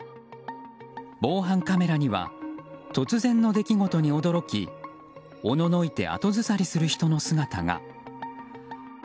防犯カメラには突然の出来事に驚きおののいて後ずさりする人の姿が。